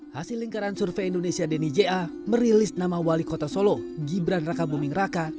hasil lingkaran survei indonesia denny ja merilis nama wali kota solo gibran raka buming raka